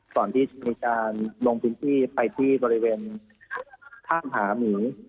ก่อนที่จะมีการลงพื้นที่ไปที่บริเวณท่ามหาหมี